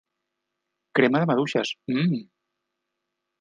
Crema de maduixes, mmm!